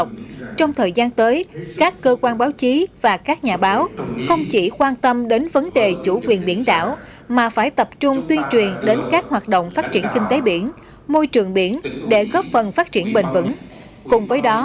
cùng với đó các cơ quan báo chí và các nhà báo không chỉ quan tâm đến vấn đề chủ quyền biển đảo